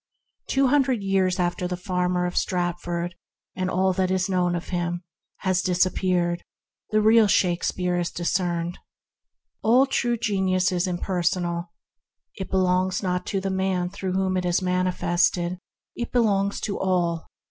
Two hundred years after the farmer of Stratford— and all that is known of him— has disappeared the real Shakes peare is discerned. All true genius is GREATNESS AND GOODNESS 145 impersonal. It belongs not to the man through whom it is manifested; it belongs to all.